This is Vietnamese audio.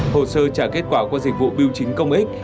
hồ sơ trả kết quả qua dịch vụ biêu chính công ích